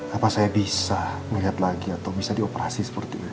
apa saya bisa melihat lagi atau bisa dioperasi seperti ini